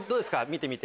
見てみて。